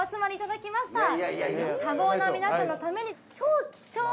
多忙な皆さんのために。